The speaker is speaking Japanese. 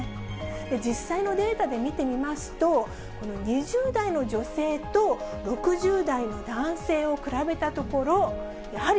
実際のデータで見てみますと、２０代の女性と６０代の男性を比べたところ、やはり、